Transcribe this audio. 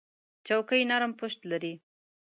چوکۍ نرم پُشت لري.